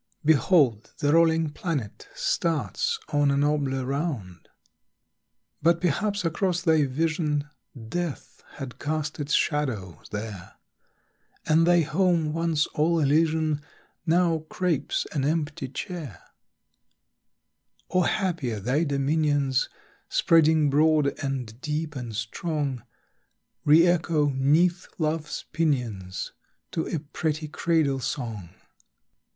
Behold! the rolling planet Starts on a nobler round. But perhaps across thy vision Death had cast its shadow there, And thy home, once all elysian, Now crapes an empty chair; Or happier, thy dominions, Spreading broad and deep and strong, Re echo 'neath love's pinions To a pretty cradle song!